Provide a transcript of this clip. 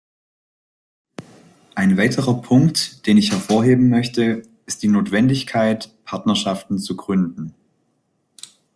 Ein weiterer Punkt, den ich hervorheben möchte, ist die Notwendigkeit, Partnerschaften zu gründen.